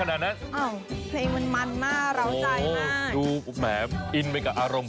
เพราะขวดมันฟิวจากแถวนั้น